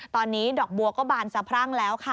ตอนนี้ดอกบัวก็บานสะพรั่งแล้วค่ะ